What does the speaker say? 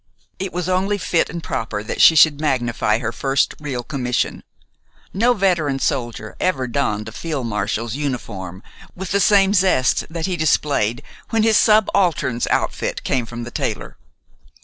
It was only fit and proper that she should magnify her first real commission. No veteran soldier ever donned a field marshal's uniform with the same zest that he displayed when his subaltern's outfit came from the tailor.